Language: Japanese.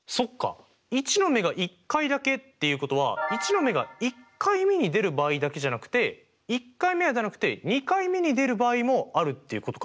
１の目が１回だけっていうことは１の目が１回目に出る場合だけじゃなくて１回目は出なくて２回目に出る場合もあるっていうことか。